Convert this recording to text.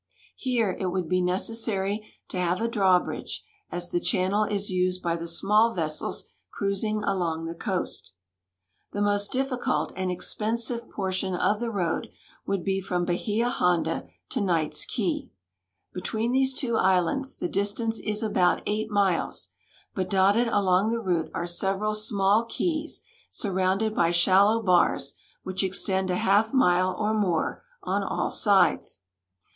Here it would be necessary to have a drawbridge, as the channel is used by the small vessels cruising along the coast. The most difficult and expensive i^ortion of the road would be from Bahia Honda to Knights Key. Between these two islands the distance is about eight miles, but dotted along the route are several small keys, surrounded by shallow bars, which extend a half mile or more on all sides.